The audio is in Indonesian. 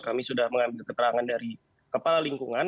kami sudah mengambil keterangan dari kepala lingkungan